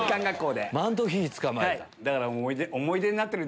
マントヒヒ捕まえた。